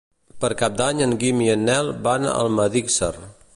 Per Cap d'Any en Guim i en Nel van a Almedíxer.